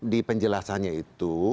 di penjelasannya itu